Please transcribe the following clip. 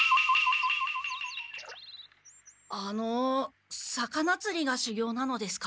あの魚つりがしゅぎょうなのですか？